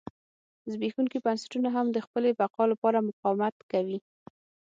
زبېښونکي بنسټونه هم د خپلې بقا لپاره مقاومت کوي.